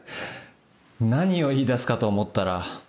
何を言い出すかと思ったら。